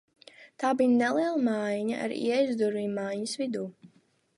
Tā bija neliela mājiņa, ar ieejas durvīm mājiņas vidū.